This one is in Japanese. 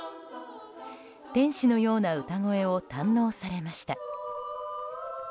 天使のような歌声を堪能されました。